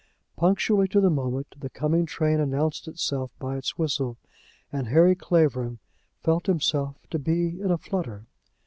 Punctually to the moment the coming train announced itself by its whistle, and Harry Clavering felt himself to be in a flutter.